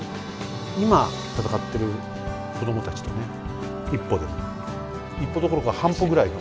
今戦ってる子供たちとね一歩でも一歩どころか半歩ぐらい。